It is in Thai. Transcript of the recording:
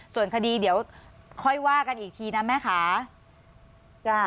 ส่วนคดีเดี๋ยวค่อยว่ากันอีกทีนะแม่ค่ะ